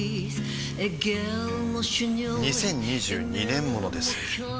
２０２２年モノです